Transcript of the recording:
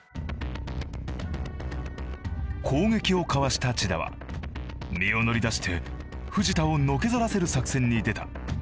攻撃をかわした千田は身を乗り出して藤田をのけぞらせる作戦に出た。